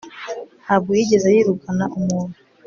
ntabwo yigeze yirukana umuntu